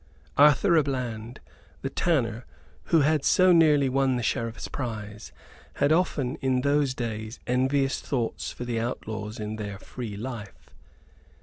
Arthur à Bland, the tanner, who had so nearly won the Sheriff's prize, had often in these days envious thoughts for the outlaws in their free life.